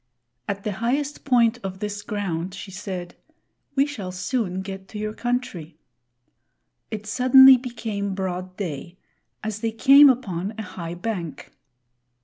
At the highest point of this ground, she said, "We shall soon get to your country." It suddenly became broad day, as they came upon a high bank.